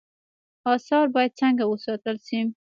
آثار باید څنګه وساتل شي؟